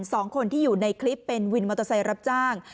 สองคนที่อยู่ในคลิปเป็นวินมอเตอร์ไซค์รับจ้าง